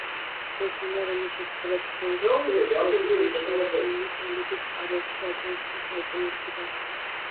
ეს ენა, რომლის შესახებაც მხოლოდ მცირე ცნობებია შემორჩენილი წერილობით წყაროებში, ადრეულ შუა საუკუნეებში გაქრა.